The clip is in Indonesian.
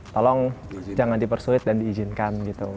tolong jangan dipersulit dan diizinkan gitu